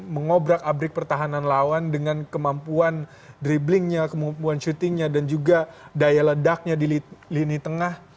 mengobrak abrik pertahanan lawan dengan kemampuan dribblingnya kemampuan syutingnya dan juga daya ledaknya di lini tengah